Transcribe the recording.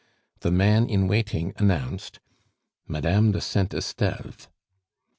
The man in waiting announced: "Madame de Saint Esteve."